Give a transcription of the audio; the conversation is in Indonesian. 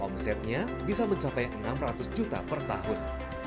omsetnya bisa mencapai enam ratus juta per tahun